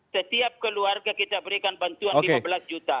setiap keluarga kita berikan bantuan lima belas juta